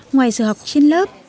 ngoài giờ học trên lớp